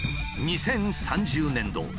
２０３０年度